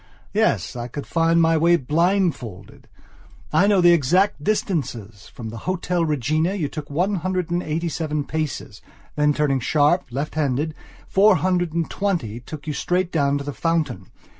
Yes, I could find my way blindfolded. I know the exact distances. From the Hotel Regina you took one hundred and eighty seven paces, then, turning sharp, left handed, four hundred and twenty took you straight down to the fountain.